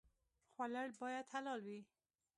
خوړل باید حلال وي